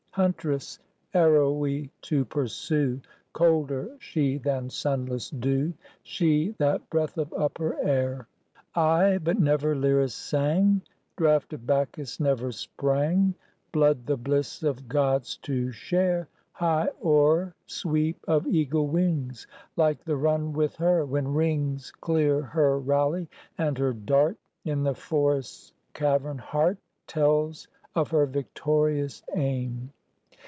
Huntress arrowy to pursue, Colder she than sunless dew, She, that breath of upper air; Ay, but never lyrist sang, Draught of Bacchus never sprang Blood the bliss of Gods to share, High o'er sweep of eagle wings, Like the run with her, when rings Clear her rally, and her dart, In the forest's cavern heart, Tells of her victorious aim.